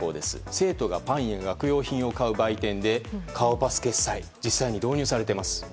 生徒がパンや学用品を買う売店で顔パス決済が実際に導入されています。